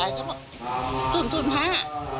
ยายก็บอกศูนย์ศูนย์ห้า